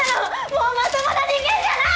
もうまともな人間じゃない！